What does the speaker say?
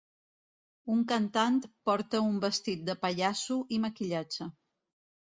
Un cantant porta un vestit de pallasso i maquillatge.